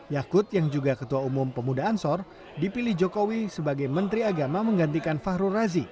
yakut yang juga ketua umum pemuda ansor dipilih jokowi sebagai menteri agama menggantikan fahrul razi